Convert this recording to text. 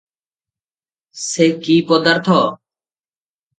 ସେ କି ପଦାର୍ଥ?